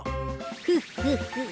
フッフッフッ。